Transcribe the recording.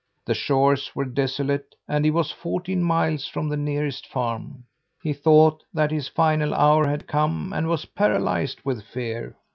The shores were desolate and he was fourteen miles from the nearest farm. He thought that his final hour had come, and was paralyzed with fear.